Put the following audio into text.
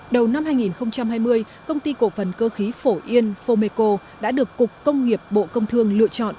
đầu năm hai nghìn hai mươi công ty cổ phần cơ khí phổ yên phô mê cô đã được cục công nghiệp bộ công thương lựa chọn